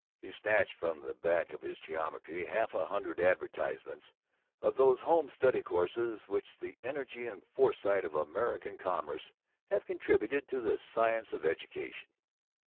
He snatched from the back of his geometry half a hundred advertisements of those home study courses which the energy and foresight of American commerce have contributed to the science of education.